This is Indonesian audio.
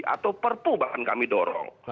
atau perpu bahkan kami dorong